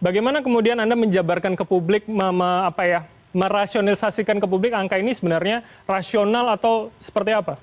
bagaimana kemudian anda menjabarkan ke publik merasionalisasikan ke publik angka ini sebenarnya rasional atau seperti apa